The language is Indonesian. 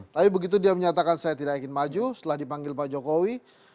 tapi begitu dia menyatakan saya tidak ingin maju setelah dipanggil pak jokowi